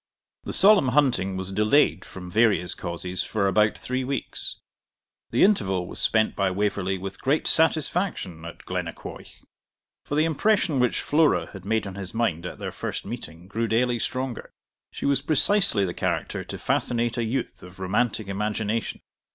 The solemn hunting was delayed, from various causes, for about three weeks. The interval was spent by Waverley with great satisfaction at Glennaquoich; for the impression which Flora had made on his mind at their first meeting grew daily stronger. She was precisely the character to fascinate a youth of romantic imagination.